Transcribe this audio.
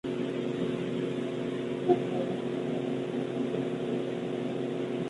Queda establecido así el siguiente teorema.